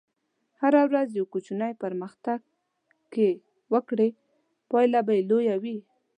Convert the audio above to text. هره ورځ یو کوچنی پرمختګ که وکړې، پایله به لویه وي.